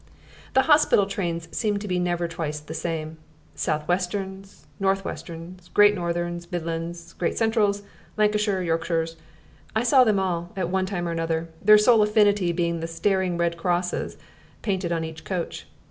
The hospital trains seemed to be never twice the same: South Westerns, North Westerns, Great Northerns, Midlands, Great Centrals, Lancashire and Yorkshires I saw them all, at one time or another, their sole affinity being the staring red crosses painted on each coach.